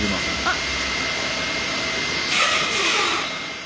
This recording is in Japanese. あっ。